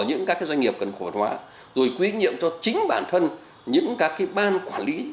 những các doanh nghiệp cần cổ phần hóa rồi quy trách nhiệm cho chính bản thân những các ban quản lý